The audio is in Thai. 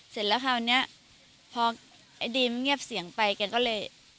เสร็จแล้วคราวนี้พอไอ้ดีมันเงียบเสียงไปแกก็เลย